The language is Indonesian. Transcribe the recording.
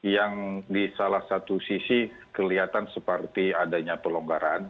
yang di salah satu sisi kelihatan seperti adanya pelonggaran